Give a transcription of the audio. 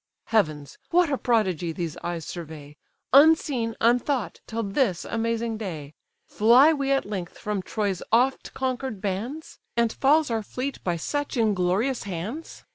Heavens! what a prodigy these eyes survey, Unseen, unthought, till this amazing day! Fly we at length from Troy's oft conquer'd bands? And falls our fleet by such inglorious hands?